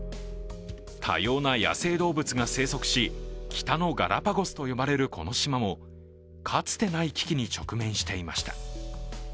多様な野生動物が生息し、北のガラパゴスと呼ばれるこの島もかつてない危機に直面していました。